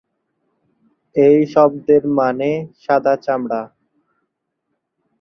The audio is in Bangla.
এই শব্দের মানে "সাদা চামড়া"।